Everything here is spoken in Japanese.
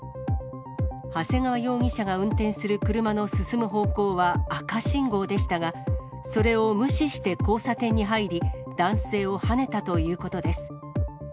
長谷川容疑者が運転する車の進む方向は赤信号でしたが、それを無視して交差点に入り、男性をはねたということです。